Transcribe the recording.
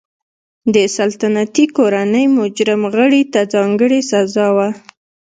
د سلطنتي کورنۍ مجرم غړي ته ځانګړې سزا وه.